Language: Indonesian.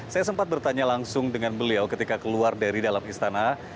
saya sempat bertanya langsung dengan beliau ketika keluar dari dalam istana